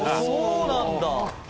そうなんだ！